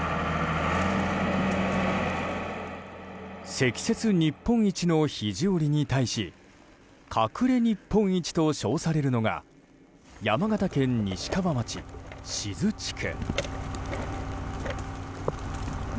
積雪日本一の肘折に対し隠れ日本一と称されるのが山形県西川町志津地区。